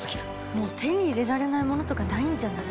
もう手に入れられないものとかないんじゃない？